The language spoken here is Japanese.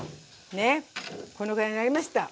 ねこのぐらいになりました。